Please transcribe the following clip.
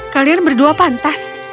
kalian berdua pantas